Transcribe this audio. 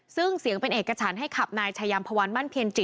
ซึ่งเสียงเป็นเอกฉันให้ขับนายชายามพวันมั่นเพียรจิ